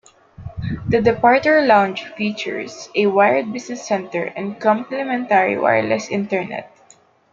The departure lounge features a wired business centre and complimentary wireless Internet.